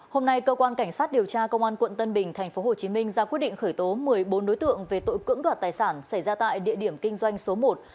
hôm nay cơ quan cảnh sát điều tra công an quận tân bình thành phố hồ chí minh ra quyết định khởi tố một mươi bốn đối tượng về tội cưỡng đoạt tài sản xảy ra tại địa điểm kinh doanh số một